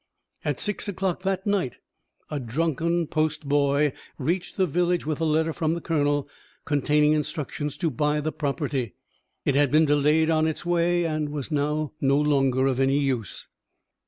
At six o'clock that night a drunken post boy reached the village with a letter from the colonel, containing instructions to buy the property. It had been delayed on its way, and was now no longer of any use.